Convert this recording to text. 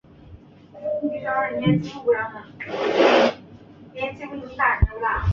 更多的形式和等价公式请参见单独条目乘积拓扑。